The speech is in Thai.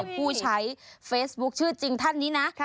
ผู้ใช้เฟซบุ๊คชื่อจริงท่านนี้นะ